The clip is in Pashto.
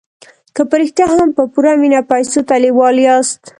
که په رښتیا هم په پوره مينه پيسو ته لېوال ياست.